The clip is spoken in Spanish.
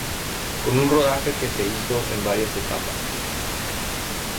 Con un rodaje que se hizo en varias etapas.